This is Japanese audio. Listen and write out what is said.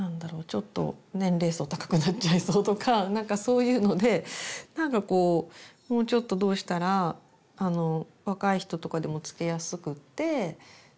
ちょっと年齢層高くなっちゃいそうとかなんかそういうのでなんかこうもうちょっとどうしたら若い人とかでもつけやすくって。